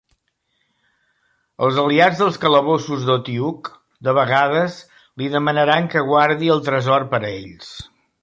Els aliats dels calabossos d'Otyugh, de vegades, li demanaran que guardi el tresor per a ells.